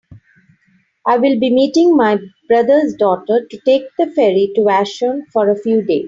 I will be meeting my brother's daughter to take the ferry to Vashon for a few days.